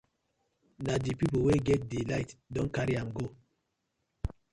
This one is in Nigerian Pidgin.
Na di pipus wey get di light don karry am go.